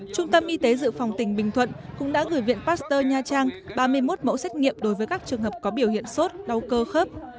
trung tâm y tế dự phòng tỉnh bình thuận cũng đã gửi viện pasteur nha trang ba mươi một mẫu xét nghiệm đối với các trường hợp có biểu hiện sốt đau cơ khớp